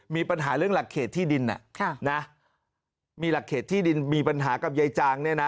มีปัญหาเรื่องหลักเขตที่ดินมีหลักเขตที่ดินมีปัญหากับยายจางเนี่ยนะ